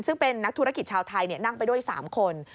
ซึ่งเป็นนักธุรกิจชาวไทยนั่งไปด้วย๓คน